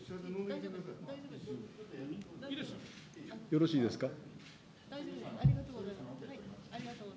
よろしいですか。